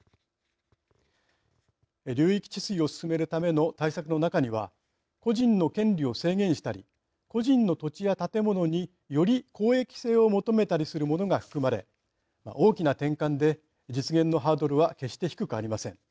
流域治水を進めるための対策の中には個人の権利を制限したり個人の土地や建物により公益性を求めたりするものが含まれ大きな転換で実現のハードルは決して低くありません。